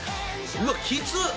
うわっきつっ！